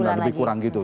lebih kurang gitu